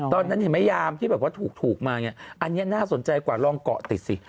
ตอนนั้นเห็นไหมยามที่แบบว่าถูกมาเนี่ยอันนี้น่าสนใจกว่าลองเกาะติดสิ